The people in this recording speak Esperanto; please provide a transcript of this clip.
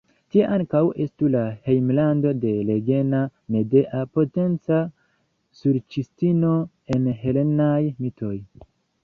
Tie ankaŭ estu la hejmlando de legenda Medea, potenca sorĉistino en helenaj mitoj.